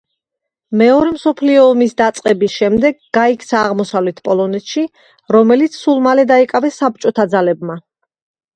მეორე მსოფლიო ომის დაწყების შემდეგ გაიქცა აღმოსავლეთ პოლონეთში, რომელიც სულ მალე დაიკავეს საბჭოთა ძალებმა.